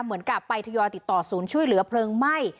เหมือนกับไปทยอยติดต่อศูนย์ช่วยเหลือเพลิงไหม้